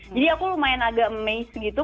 jadi aku lumayan agak amazed gitu